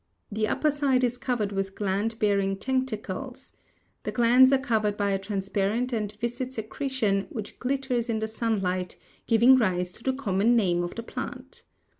The upper side is covered with gland bearing tentacles. The glands are covered by a transparent and viscid secretion which glitters in the sunlight, giving rise to the common name of the plant.